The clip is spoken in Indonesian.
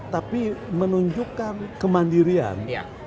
tapi menunjukkan kemandirian